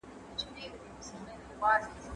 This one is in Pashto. کېدای سي ځیني ننګونې وي.